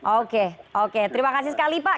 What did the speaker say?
oke oke terima kasih sekali pak